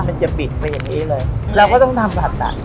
พ่อเจ็บแม่ก็เจ็บ